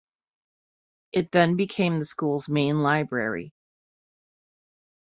It then became the school's main library.